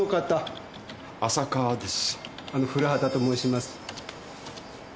あの古畑と申します。